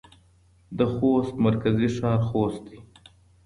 د خوست مرکزي ښار خوست دی.